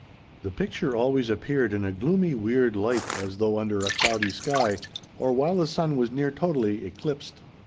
The picture always appeared in a gloomy, weird light, as though under a cloudy sky, or while the sun was near totally eclipsed.